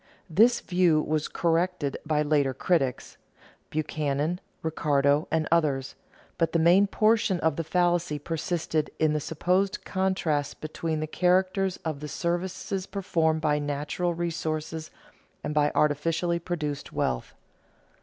This view was corrected by later critics (Buchanan, Ricardo, and others), but the main portion of the fallacy persisted in the supposed contrast between the characters of the services performed by natural resources and by artificially produced wealth.